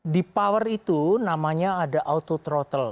di power itu namanya ada auto throttle